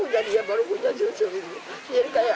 petugas menangkap rakyat di rumah